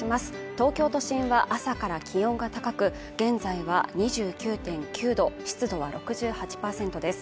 東京都心は朝から気温が高く、現在は２９．９度、湿度は６８％です。